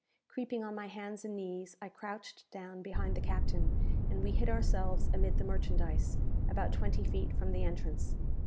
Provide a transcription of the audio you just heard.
Creeping on my hands and knees, I crouched down behind the captain, and we hid ourselves amid the merchandise, about twenty feet from the entrance.